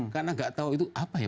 karena gak tau itu apa ya